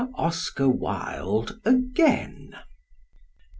OSCAR WILDE AGAIN. Mr.